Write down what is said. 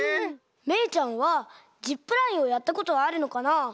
めいちゃんはジップラインをやったことはあるのかな？